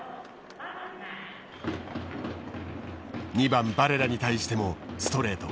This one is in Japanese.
２番バレラに対してもストレート。